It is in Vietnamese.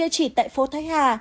địa chỉ tại phố thái hà